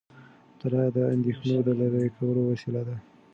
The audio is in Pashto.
مطالعه د اندیښنو د لرې کولو وسیله ده.